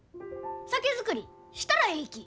酒造りしたらえいき！